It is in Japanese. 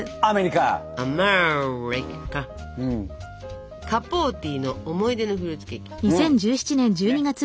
カポーティの思い出のフルーツケーキですよね。